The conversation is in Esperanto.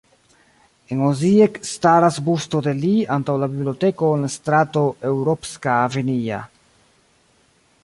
En Osijek staras busto de li antaŭ la biblioteko en la strato Europska Avenija.